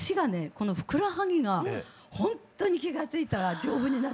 このふくらはぎがほんとに気が付いたら丈夫になってました。